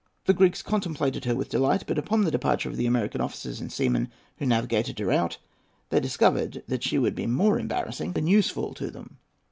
The Greeks contemplated her with delight, but, upon the departure of the American officers and seamen who navigated her out, they discovered that she would be more embarrassing than useful to them.